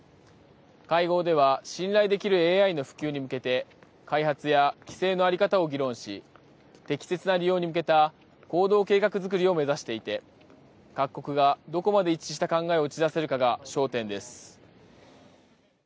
会合では信頼できるＡＩの普及に向けて開発や規制の在り方を議論し適切な利用に向けた行動計画作りを目指していて各国がどこまで一致した考えを打ち出せるかが焦点です。